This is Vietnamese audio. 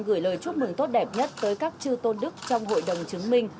gửi lời chúc mừng tốt đẹp nhất tới các chư tôn đức trong hội đồng chứng minh